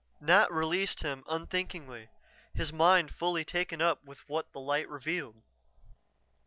Nat released him unthinkingly, his mind fully taken up with what the light revealed.